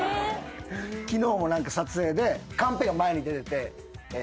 昨日も撮影でカンペが前に出てて。